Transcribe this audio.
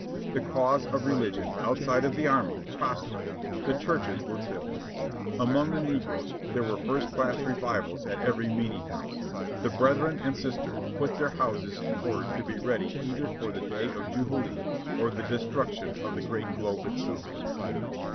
The cause of religion, outside of the army, prospered ; the churches were filled. Among the negroes there were first class re vivals at everv meeting house ; the "brethren and sistern" put their SHADOWS . 685 houses in order to be ready either for the day of Jubilee or the de struction of the great globe itself.